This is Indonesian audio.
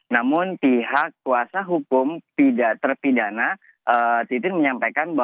namun pihak kuasa hukum